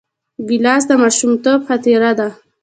ګیلاس د ماشومتوب خاطره ده.